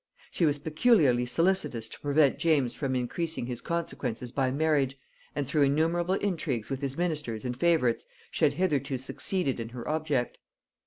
She was peculiarly solicitous to prevent James from increasing his consequence by marriage, and through innumerable intrigues with his ministers and favorites she had hitherto succeeded in her object.